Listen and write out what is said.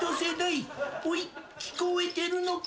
聞こえてるのか！